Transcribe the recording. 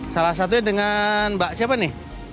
salah satunya dengan mbak siapa nih